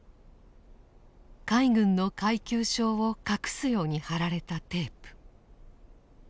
海軍の階級章を隠すように貼られたテープ。